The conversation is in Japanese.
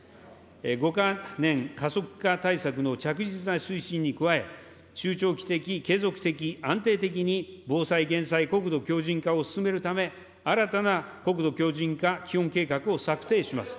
５か年加速化対策の着実な推進に加え、中長期的、継続的、安定的に防災・減災、国土強じん化を進めるため、新たな国土強じん化基本計画を策定します。